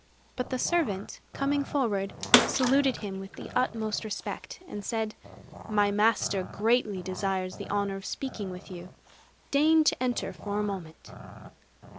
But the servant, coming forward, saluted him with the utmost respect, and said, "My master greatly desires the honor of speaking with you: deign to enter for a moment."